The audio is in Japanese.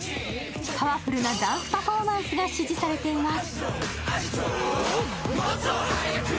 パワフルなダンスパフォーマンスが支持されています。